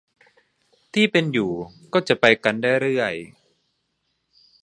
ที่เป็นอยู่ก็จะไปกันได้เรื่อย